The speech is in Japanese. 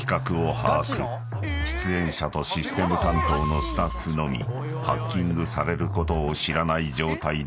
［出演者とシステム担当のスタッフのみハッキングされることを知らない状態で行う］